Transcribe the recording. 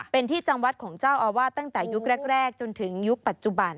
เป็นที่จำวัดของเจ้าอาวาสตั้งแต่ยุคแรกจนถึงยุคปัจจุบัน